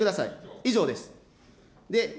以上です。